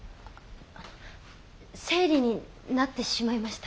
生理になってしまいました。